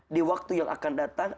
di waktu yang akan datang